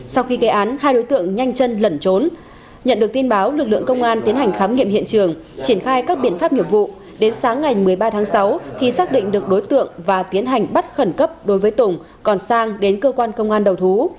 sau khi gây án hai đối tượng nhanh chân lẩn trốn nhận được tin báo lực lượng công an tiến hành khám nghiệm hiện trường triển khai các biện pháp nghiệp vụ đến sáng ngày một mươi ba tháng sáu thì xác định được đối tượng và tiến hành bắt khẩn cấp đối với tùng còn sang đến cơ quan công an đầu thú